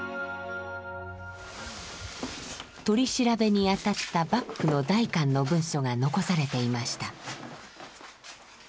取り調べに当たった幕府の代官の文書が残されていました。